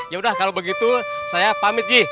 yaudah kalau begitu saya pamit ji